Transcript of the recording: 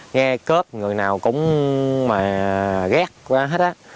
nghe cướp người nào cũng mà ghét quá hết á